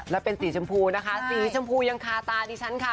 และเป็นสีชมพูนะคะสีชมพูยังคาตาดิฉันค่ะ